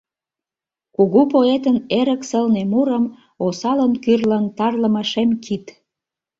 Кугу поэтын эрык сылне мурым Осалын кӱрлын тарлыме шем кид.